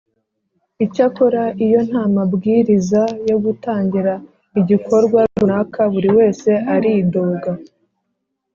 Icyakora iyo nta mabwiriza yo gutangira igikorwa runaka buri wese ari doga